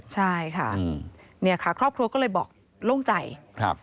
ใช่ค่ะเนี่ยค่ะครอบครัวก็เลยบอกโล่งใจครับ